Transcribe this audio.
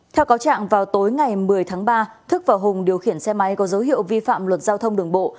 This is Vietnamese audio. theo cáo trạng vào tối ngày một mươi tháng ba thức và hùng điều khiển xe máy có dấu hiệu vi phạm luật giao thông đường bộ